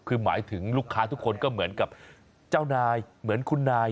คือหมายถึงลูกค้าทุกคนก็เหมือนกับเจ้านายเหมือนคุณนาย